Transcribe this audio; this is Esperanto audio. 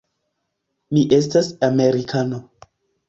Mi estas amerikano.